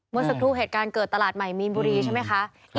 เมื่อสักครู่เหตุการณ์เกิดตลาดใหม่มีนบุรีใช่ไหมคะ